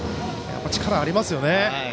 力がありますよね。